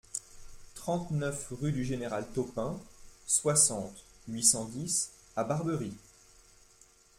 trente-neuf rue du Général Taupin, soixante, huit cent dix à Barbery